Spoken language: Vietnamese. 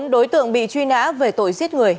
bốn đối tượng bị truy nã về tội giết người